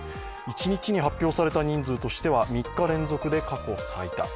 一日に発表された人数としては３日連続で過去最多。